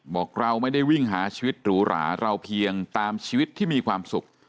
บอกเราไม่ได้วิ่งหาชีวิตหรูหราเราเพียงตามชีวิตที่มีความสุข